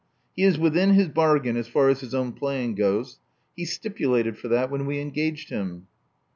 He is within his bargain as far as his own playing goes. He stipulated for that when we engaged him."